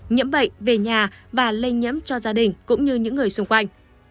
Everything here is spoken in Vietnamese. nhiễm bệnh về nhà và lây nhiễm cho gia đình cũng như những người xung quanh